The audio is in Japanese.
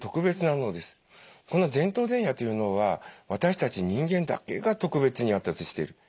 この前頭前野という脳は私たち人間だけが特別に発達している。